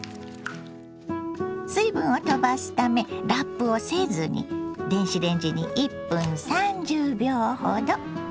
水分をとばすためラップをせずに電子レンジに１分３０秒ほど。